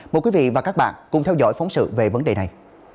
mời quý vị và các bạn cùng theo dõi phóng sự về vấn đề này